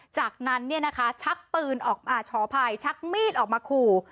จากนั้นชักปืนออกมาช้อภัยชักมีดออกมาขู่